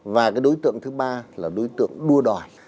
và cái đối tượng thứ ba là đối tượng đua đòi